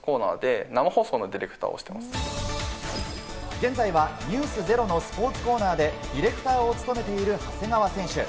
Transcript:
現在は『ｎｅｗｓｚｅｒｏ』のスポーツコーナーでディレクターを務めている長谷川選手。